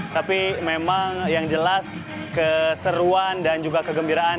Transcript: tapi memang yang jelas keseruan dan juga kegembiraan